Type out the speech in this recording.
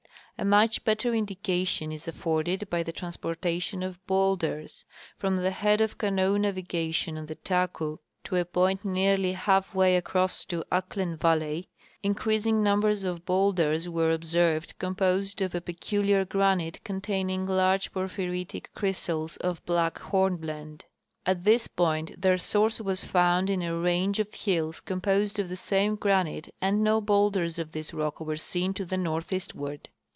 A much better indication is afforded by the transportation of bowlders. From the head of canoe navigation on the Taku to a point nearl}^ half way across to Ahklen valley, increasing numbers of bowlders were observed composed of a peculiar granite contain ing large porphyritic crystals of black hornblende. At this point their source was found in a range of hills composed of the same granite, and no bowlders of this rock were seen to the northeastward.